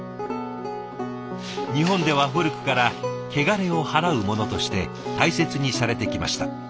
日本では古くから汚れをはらうものとして大切にされてきました。